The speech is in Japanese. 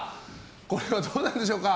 これは、どうなんでしょうか。